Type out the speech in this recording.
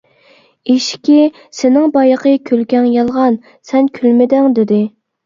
ئېشىكى: «سېنىڭ بايىقى كۈلكەڭ يالغان، سەن كۈلمىدىڭ» دېدى.